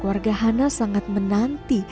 keluarga hana sangat menanti